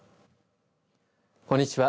こんにちは。